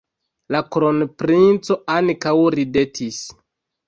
La kronprinco ankaŭ ridetis.